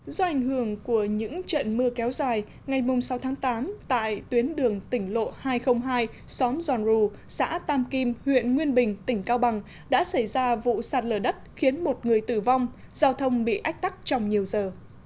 do ảnh hưởng của những trận mưa kéo dài ngày sáu tháng tám tại tuyến đường tỉnh lộ hai trăm linh hai xóm giòn rù xã tam kim huyện nguyên bình tỉnh cao bằng đã xảy ra vụ sạt lở đất khiến một người tử vong giao thông bị ách tắc trong nhiều giờ